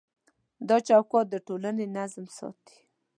دا چوکاټ د ټولنې نظم ساتي.